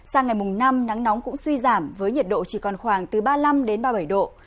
sang ngày mùng năm nắng nóng cũng suy giảm với nhiệt độ chỉ còn khoảng từ ba mươi năm ba mươi bảy độ